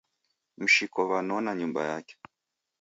Mshiko wanona nyumba yake.